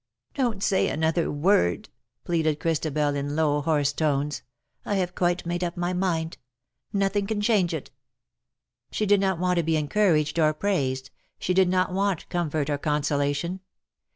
""'' Don't say another word/' pleaded Christabel, in low hoarse tones ;" I have quite made up my mind. Nothing can change it." She did not want to be encouraged or praised; she did not want comfort or consolation.